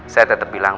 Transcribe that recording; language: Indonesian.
saya tetep bilang